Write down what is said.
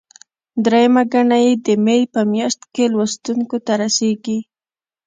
درېیمه ګڼه یې د مې په میاشت کې لوستونکو ته رسیږي.